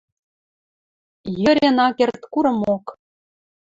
Йӧрен ак керд курымок.